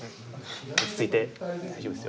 落ち着いて大丈夫ですよ。